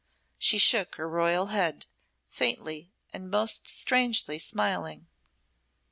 She shook her royal head, faintly and most strangely smiling.